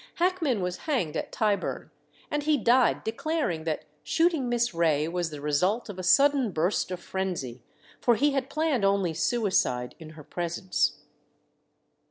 Hackman was hanged at Tyburn, and he died declaring that shooting Miss Ray was the result of a sudden burst of frenzy, for he had planned only suicide in her presence.